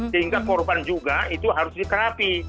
sehingga korban juga itu harus diterapi